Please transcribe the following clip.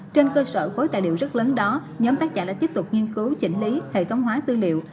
trên cơ sở khối tài liệu rất lớn đó nhóm tác giả đã tiếp tục nghiên cứu chỉnh lý hệ thống hóa tư liệu